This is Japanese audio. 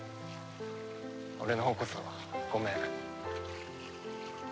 俺のほうこそごめん。